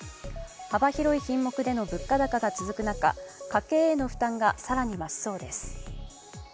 幅広い品目での物価高が続く中家計への負担が更に増しそうです。